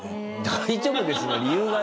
「大丈夫です！」の理由がね。